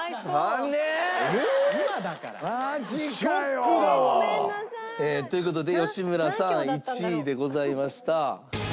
残念！という事で吉村さん１位でございました。